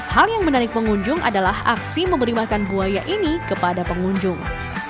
hal yang menarik pengunjung adalah aksi memberi makan buaya ini kepada pengunjung